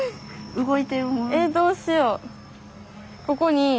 ここに。